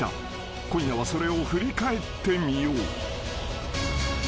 ［今夜はそれを振り返ってみよう］